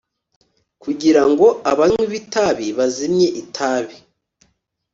kugira ngo abanywi b’itabi bazimye itabi